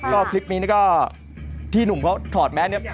ก็คลิปนี้ก็ที่หนุ่มเขาถอดแมสเนี่ย